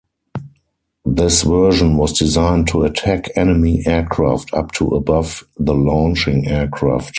This version was designed to attack enemy aircraft up to above the launching aircraft.